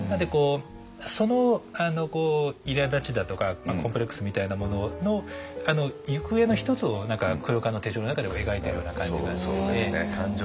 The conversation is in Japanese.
そのいらだちだとかコンプレックスみたいなものの行方の一つを「黒革の手帖」の中でも描いているような感じがしてて。